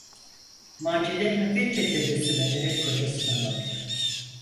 Macide hafifçe tebessüm ederek kocasına baktı.